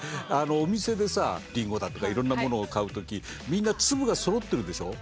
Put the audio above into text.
お店でさリンゴだとかいろんなものを買う時みんな粒がそろってるでしょ。